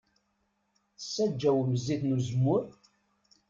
Tessaǧawem zzit n uzemmur?